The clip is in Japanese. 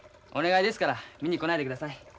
お願いですから見に来ないでください。